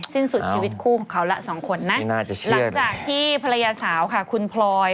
สิ้นสุดชีวิตคู่ของเขาละสองคนนะหลังจากที่ภรรยาสาวค่ะคุณพลอย